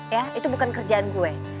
ya itu bukan kerjaan gue